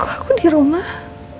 kok aku di rumah